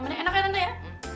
emangnya enak ya tante ya